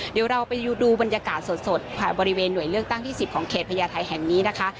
เดี๋ยวเราไปดูบรรยากาศสดบริเวณหน่วยเลือกตั้งที่๑๐ของเขตพญาไทยแห่งนี้นะคะ